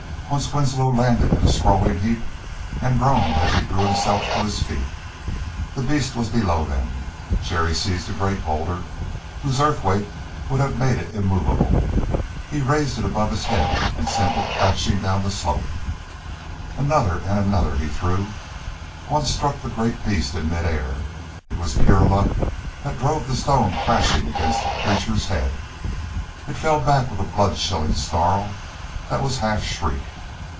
Once Winslow landed in a sprawling heap and groaned as he drew himself to his feet. The beast was below them. Jerry seized a great boulder, whose earth weight would have made it immovable. He raised it above his head and sent it crashing down the slope. Another and another he threw. One struck the great beast in mid air; it was pure luck that drove the stone crashing against the creature's head. It fell back with a blood chilling snarl that was half shriek.